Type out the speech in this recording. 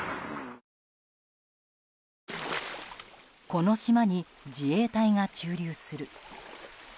この島に自衛隊が駐留する。